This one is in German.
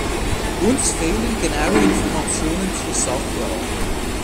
Uns fehlen genaue Informationen zur Sachlage.